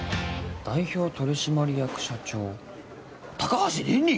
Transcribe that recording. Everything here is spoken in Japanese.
代表取締役社長高橋凜々？